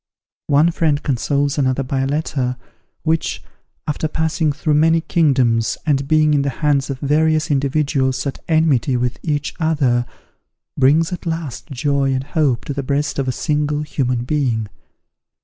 One friend consoles another by a letter, which, after passing through many kingdoms, and being in the hands of various individuals at enmity with each other, brings at last joy and hope to the breast of a single human being.